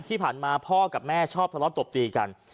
ที่ผ่านมาพ่อกับแม่ชอบทะเลาะตบตีกัน